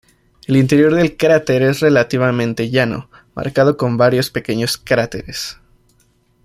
El interior del cráter es relativamente llano, marcado con varios pequeños cráteres.